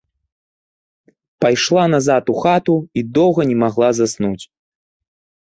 Пайшла назад у хату і доўга не магла заснуць.